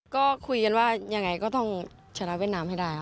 ก็คุยกันว่ายังไงก็ต้องชนะเวียดนามให้ได้ค่ะ